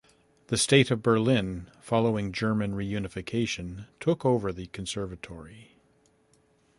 The state of Berlin following German Reunification took over the conservatory.